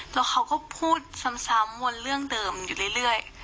แล้วเขาก็พูดซ้ำวนเรื่องเดิมอยู่เรื่อย